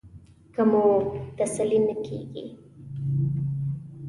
که مو تسلي نه کېږي.